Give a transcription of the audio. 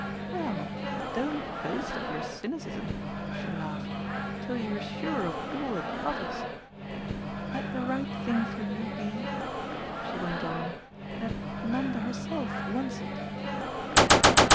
"Well, don't boast of your cynicism," she laughed, "till you're sure of all it covers. Let the right thing for you be," she went on, "that Nanda herself wants it."